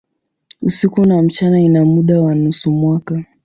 Usiku na mchana ina muda wa nusu mwaka.